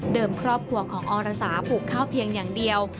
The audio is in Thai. ครอบครัวของอรสาปลูกข้าวเพียงอย่างเดียว